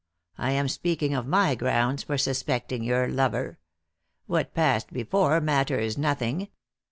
I am speaking of my grounds for suspecting your lover. What passed before matters nothing.